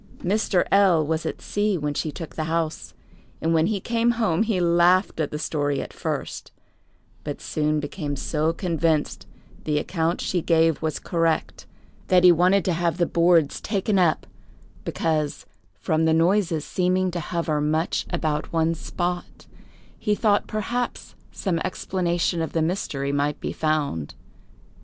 Mr. L—— was at sea when she took the house, and when he came home he laughed at the story at first, but soon became so convinced the account she gave was correct, that he wanted to have the boards taken up, because, from the noises seeming to hover much about one spot, he thought perhaps some explanation of the mystery might be found.